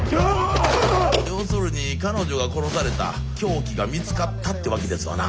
要するに彼女が殺された凶器が見つかったってわけですわな。